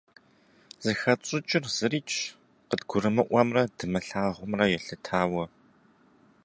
Зыхэтщӏыкӏыр зырикӏщ, къыдгурымыӏуэмрэ дымылъагъумрэ елъытауэ.